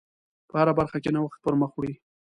په هره برخه کې نوښت پر مخ وړئ.